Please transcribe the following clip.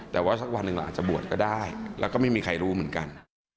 แต่ว่าสักวันหนึ่งเราอาจจะบวชก็ได้แล้วก็ไม่มีใครรู้เหมือนกัน